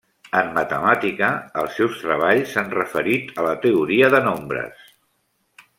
En matemàtica, els seus treballs s'han referit a la teoria de nombres.